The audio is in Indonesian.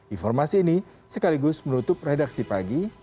informasi ini sekaligus menutup redaksi pagi